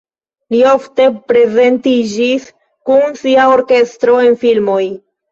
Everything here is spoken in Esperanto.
Li ofte prezentiĝis kun sia orkestro en filmoj.